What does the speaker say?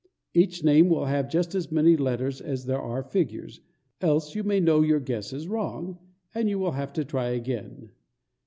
Each name will have just as many letters as there are figures, else you may know your guess is wrong, and you will have to try again.